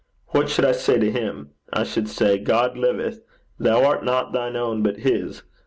What should I say to him? I should say: "God liveth: thou art not thine own but his.